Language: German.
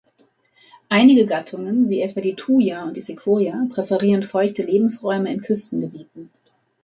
Einige Gattungen wie etwa die "Thuja" und die "Sequoia" präferieren feuchte Lebensräume in Küstengebieten.